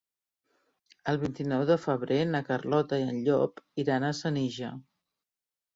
El vint-i-nou de febrer na Carlota i en Llop iran a Senija.